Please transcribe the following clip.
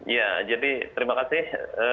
ya jadi terima kasih